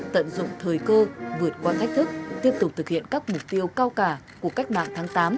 tận dụng thời cơ vượt qua thách thức tiếp tục thực hiện các mục tiêu cao cả của cách mạng tháng tám